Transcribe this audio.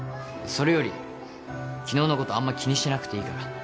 それより昨日のことあんま気にしなくていいから。